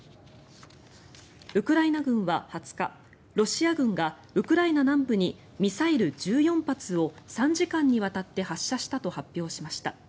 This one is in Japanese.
ウクライナ軍は２０日ロシア軍がウクライナ南部にミサイル１４発を３時間にわたって発射したと発表しました。